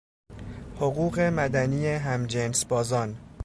حقوق مدنی همجنسبازان